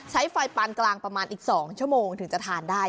ใช้ไฟปานกลางประมาณอีก๒ชั่วโมงถึงจะทานได้